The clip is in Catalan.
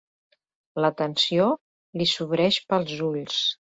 La tensió li sobreïx pels ulls.